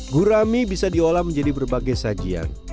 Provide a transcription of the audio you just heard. gurami bisa diolah menjadi berbagai sajian